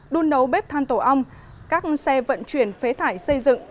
đun nấu bếp than tổ ong các xe vận chuyển phế thải xây dựng